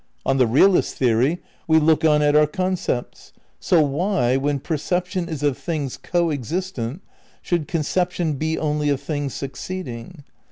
On the realist theory we look on at our concepts; so why, when perception is of things co existent, should conception be only of things succeeding?